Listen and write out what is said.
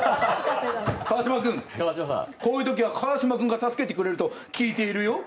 川島君、こういうときは川島君が助けてくれると聞いているよ。